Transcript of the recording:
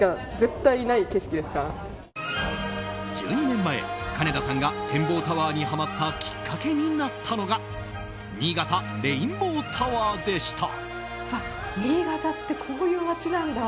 １２年前、かねださんが展望タワーにハマったきっかけになったのが新潟レインボータワーでした。